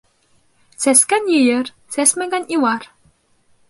Сәскән йыйыр, сәсмәгән илар.